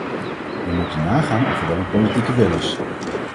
We moeten nagaan of er wel een politieke wil is.